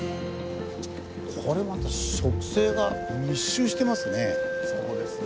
これまた植生が密集してますね。